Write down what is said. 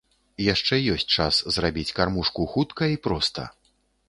Яшчэ ёсць час зрабіць кармушку хутка і проста.